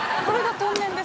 ◆天然です。